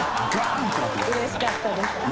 嬉しかったです。